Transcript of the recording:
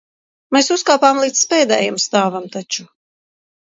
Mēs uzkāpām līdz pēdējam stāvam taču.